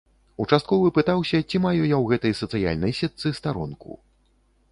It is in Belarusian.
Участковы пытаўся, ці маю я ў гэтай сацыяльнай сетцы старонку.